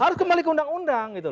harus kembali ke undang undang gitu